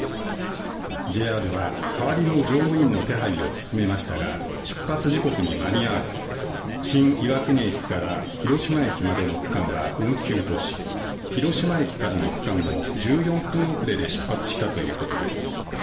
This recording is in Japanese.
ＪＲは代わりの乗務員の手配を進めましたが出発時刻に間に合わず新岩国駅から広島駅までの区間は運休とし広島駅からの区間も１４分遅れで出発したということです。